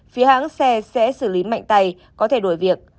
phía hãng xe sẽ xử lý mạnh tay có thể đổi việc